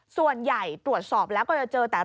ส่วนใหญ่ตรวจสอบแล้วก็จะเจอแต่